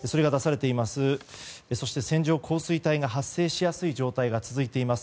そして、線状降水帯が発生しやすい状態が続いています